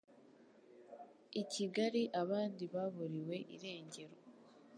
I Kigali abandi baburiwe irengero